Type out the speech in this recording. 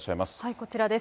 こちらです。